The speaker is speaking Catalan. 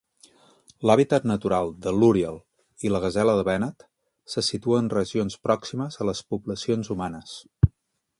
L'hàbitat natural de l'úrial i la gasela de Bennett se situa en regions pròximes a les poblacions humanes.